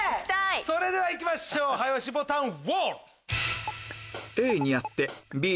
それではいきましょう早押しボタンウォール！